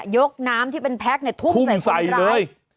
ยกน้ำที่เป็นแพ็คเนี่ยทุ่มใส่คนร้าย